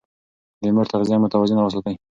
د مور تغذيه متوازنه وساتئ.